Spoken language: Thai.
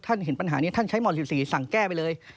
เห็นปัญหานี้ท่านใช้หม่อน๑๔สั่งแก้ไปเลย